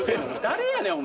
誰やねん？